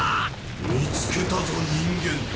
見つけたぞ人間ども。